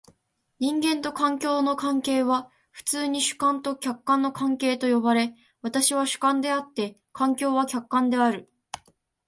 人間と環境の関係は普通に主観と客観の関係と呼ばれ、私は主観であって、環境は客観である。